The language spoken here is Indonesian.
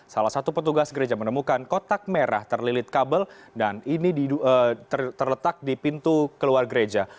salah satu petugas gereja menemukan kotak merah terlilit kabel dan ini terletak di pintu keluar gereja